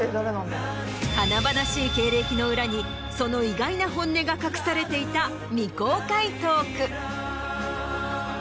華々しい経歴の裏にその意外な本音が隠されていた未公開トーク。